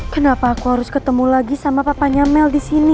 kenapa aku harus ketemu lagi sama papanya mel disini